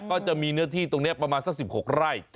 ก็จะมีเนื้อที่ตรงนี้ประมาณสัก๑๖ไร่